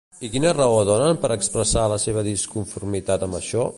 I quina raó donen per expressar la seva disconformitat amb això?